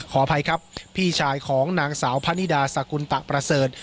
ขออภัยครับพี่ชายของนางสาวพะนิดาสกุลตะประเสริฐ